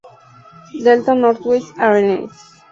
Delta-Northwest Airlines